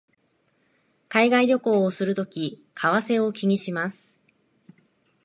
海外旅行をするとき為替を気にします